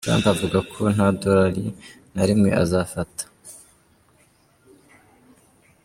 Trump avuga ko nta dorali na rimwe azafata.